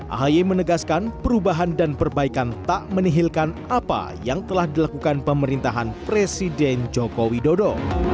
ahy menegaskan perubahan dan perbaikan tak menihilkan apa yang telah dilakukan pemerintahan presiden joko widodo